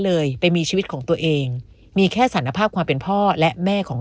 เลยไปมีชีวิตของตัวเองมีแค่สารภาพความเป็นพ่อและแม่ของ